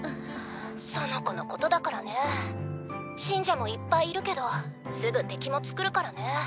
園子のことだからね信者もいっぱいいるけどすぐ敵もつくるからね。